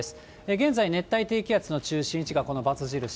現在、熱帯低気圧の中心位置が、このバツ印。